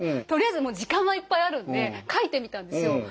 とりあえず時間はいっぱいあるんで書いてみたんですよ。